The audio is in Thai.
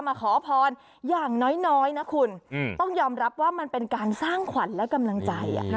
มาขอพรอย่างน้อยนะคุณต้องยอมรับว่ามันเป็นการสร้างขวัญและกำลังใจ